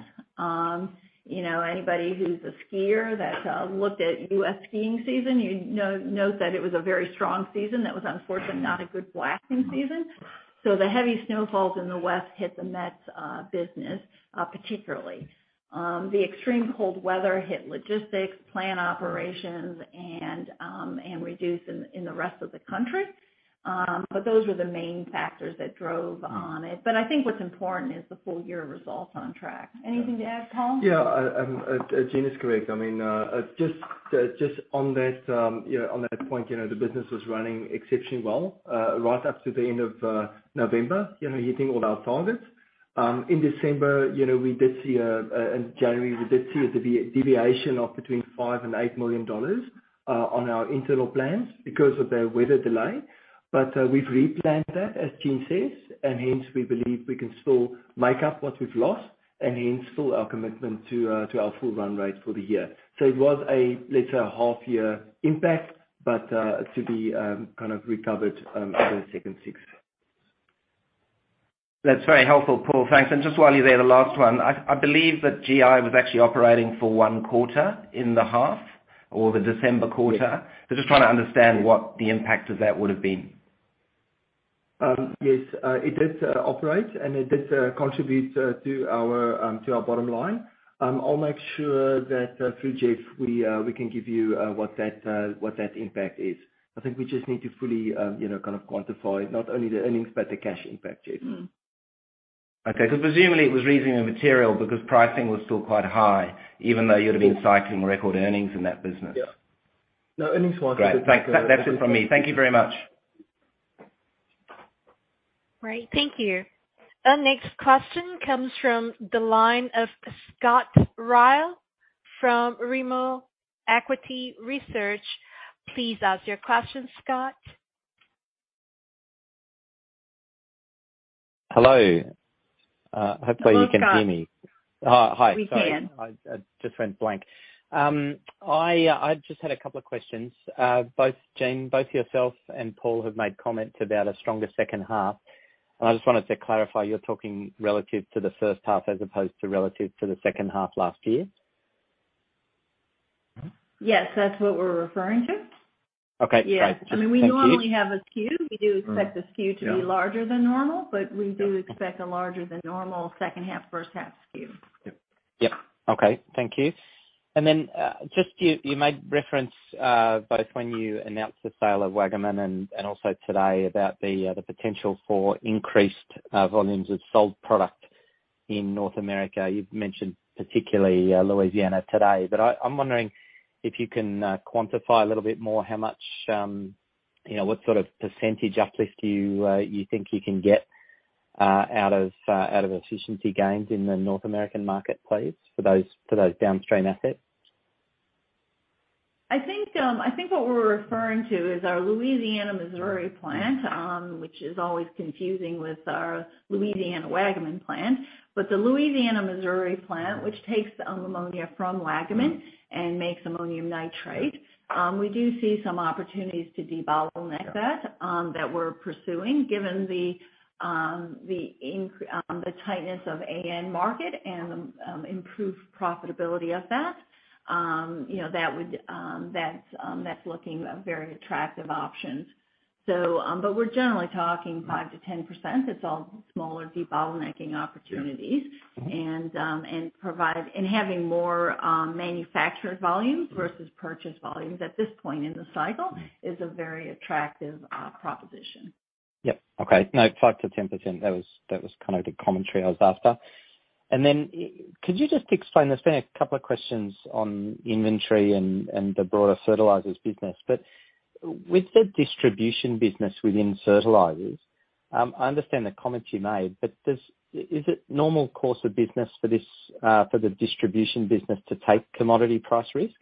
You know, anybody who's a skier that looked at U.S. skiing season, you know, note that it was a very strong season that was unfortunately not a good blasting season. The heavy snowfalls in the west hit the mets business particularly. The extreme cold weather hit logistics, plant operations, and reduced in the rest of the country. Those were the main factors that drove on it. I think what's important is the full year results on track. Anything to add, Paul? Yeah. Jeanne is correct. I mean, just on that, you know, on that point, you know, the business was running exceptionally well, right up to the end of November, you know, hitting all our targets. In December, you know, we did see a deviation of between 5 million and 8 million dollars on our internal plans because of the weather delay. We've replanned that, as Jeanne says, and hence we believe we can still make up what we've lost and hence fill our commitment to our full run rate for the year. It was a later half year impact to be kind of recovered over the second six. That's very helpful, Paul. Thanks. Just while you're there, the last one. I believe that GI was actually operating for one quarter in the half or the December quarter. Just trying to understand what the impact of that would've been. Yes, it did operate, and it did contribute to our bottom line. I'll make sure that through Geoff, we can give you what that impact is. I think we just need to fully, you know, kind of quantify not only the earnings but the cash impact, Geoff. Okay. Presumably it was reasonably material because pricing was still quite high, even though you'd have been citing record earnings in that business. Yeah. earnings-wise. Great. That's it from me. Thank you very much. Great. Thank you. Our next question comes from the line of Scott Ryall from Rimor Equity Research. Please ask your question, Scott. Hello. Hopefully you can hear me. Hello, Scott. Oh, hi. Sorry. We can. I just went blank. I just had a couple of questions. Both Jeanne, yourself and Paul have made comments about a stronger second half. I just wanted to clarify, you're talking relative to the first half as opposed to relative to the second half last year? Yes, that's what we're referring to. Okay, great. Yeah. Thank you. I mean, we normally have a Q. We do expect the Q to be larger than normal, but we do expect a larger than normal second half, first half Q. Yep. Okay. Thank you. Just you made reference, both when you announced the sale of Waggaman and also today about the potential for increased volumes of sold product in North America. You've mentioned particularly Louisiana today. I'm wondering if you can quantify a little bit more how much, you know, what sort of percentage uplift you think you can get out of efficiency gains in the North American market, please, for those downstream assets? I think, I think what we're referring to is our Louisiana, Missouri plant, which is always confusing with our Louisiana Waggaman plant. The Louisiana, Missouri plant, which takes the ammonia from Waggaman and makes ammonium nitrate, we do see some opportunities to debottleneck that we're pursuing given the tightness of AN market and improved profitability of that. You know, that would, that's looking a very attractive option. We're generally talking 5%-10%. It's all smaller debottlenecking opportunities. Yeah. Okay. Having more manufactured volume versus purchase volumes at this point in the cycle is a very attractive proposition. Yep. Okay. 5%-10%, that was kinda the commentary I was after. Could you just explain, there's been a couple of questions on inventory and the broader fertilizers business. With the distribution business within fertilizers, I understand the comments you made, is it normal course of business for this for the distribution business to take commodity price risk?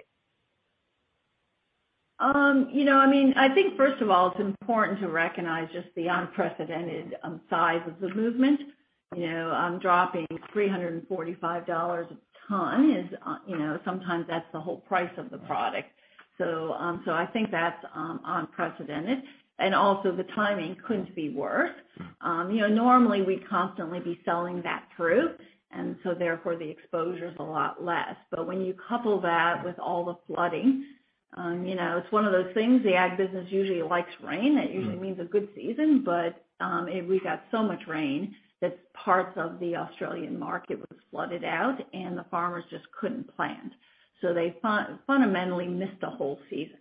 You know, I mean, I think first of all, it's important to recognize just the unprecedented size of the movement. You know, I'm dropping 345 dollars a ton is, you know, sometimes that's the whole price of the product. So I think that's unprecedented. Also the timing couldn't be worse. You know, normally we'd constantly be selling that through, and so therefore the exposure's a lot less. When you couple that with all the flooding, you know, it's one of those things, the ag business usually likes rain. Mm-hmm. It usually means a good season, but we got so much rain that parts of the Australian market was flooded out, and the farmers just couldn't plant, so they fundamentally missed a whole season.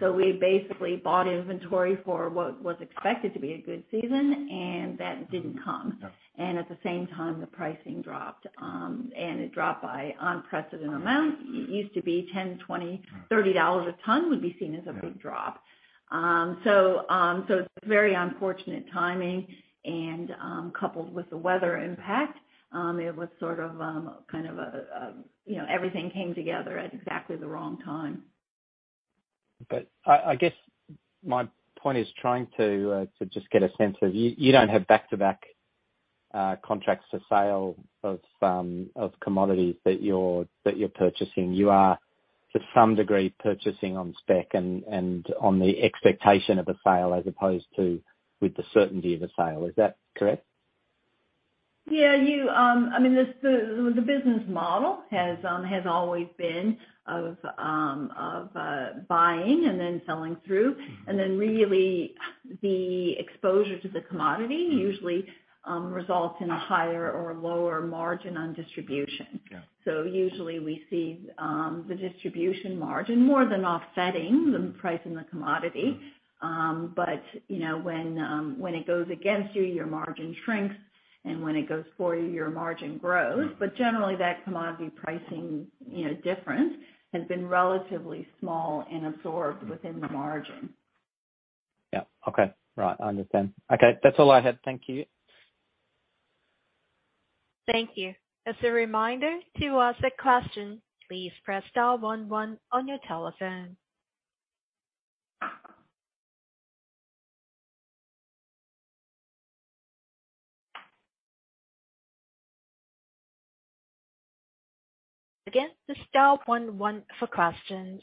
Mm. We basically bought inventory for what was expected to be a good season, and that didn't come. Yeah. At the same time, the pricing dropped, and it dropped by unprecedented amount. It used to be 10, 20, 30 dollars a ton would be seen as a big drop. Yeah. So it's very unfortunate timing and, coupled with the weather impact, it was sort of, kind of a, you know, everything came together at exactly the wrong time. I guess my point is trying to just get a sense of you don't have back-to-back contracts for sale of commodities that you're purchasing. You are to some degree purchasing on spec and on the expectation of a sale as opposed to with the certainty of a sale. Is that correct? Yeah. You, I mean, this, the business model has always been of buying and then selling through. Mm-hmm. Really the exposure to the commodity usually results in a higher or lower margin on distribution. Yeah. Usually we see the distribution margin more than offsetting the price in the commodity. Mm. You know, when it goes against you, your margin shrinks, and when it goes for you, your margin grows. Mm. Generally that commodity pricing, you know, difference has been relatively small and absorbed within the margin. Yeah. Okay. Right. I understand. Okay. That's all I had. Thank you. Thank you. As a reminder, to ask a question, please press star one one on your telephone. Again, it's star one one for questions.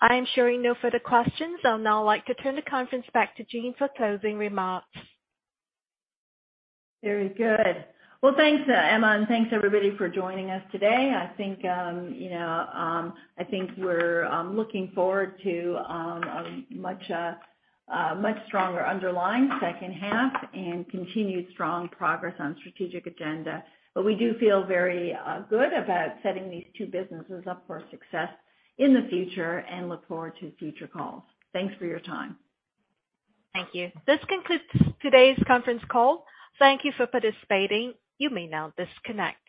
I am showing no further questions. I'd now like to turn the conference back to Jeanne for closing remarks. Very good. Well, thanks, Emma, and thanks everybody for joining us today. I think, you know, I think we're looking forward to a much, much stronger underlying second half and continued strong progress on strategic agenda. We do feel very good about setting these two businesses up for success in the future and look forward to future calls. Thanks for your time. Thank you. This concludes today's conference call. Thank you for participating. You may now disconnect.